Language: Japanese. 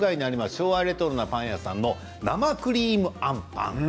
昭和レトロなパン屋さんの生クリームあんぱん。